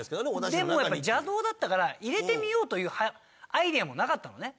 でもやっぱり邪道だったから入れてみようというアイデアもなかったのね。